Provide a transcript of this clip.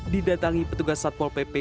didatangi petugas satpol pp